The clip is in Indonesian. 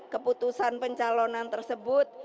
keputusan pencalonan tersebut